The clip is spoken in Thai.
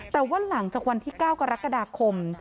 แต่ว่าหลังจากวันที่๙กรกฎาคม